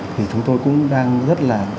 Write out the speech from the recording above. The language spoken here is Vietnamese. thì chúng tôi cũng đang rất là